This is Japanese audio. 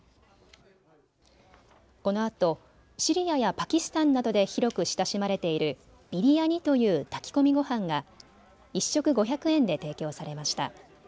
このあとシリアやパキスタンなどで広く親しまれているビリヤニという炊き込みご飯が１食５００円で提供されました。